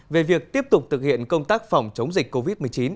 về việc tiếp tục thực hiện công tác phòng chống dịch covid một mươi chín